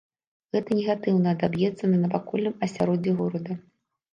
Гэта негатыўна адаб'ецца на навакольным асяроддзі горада.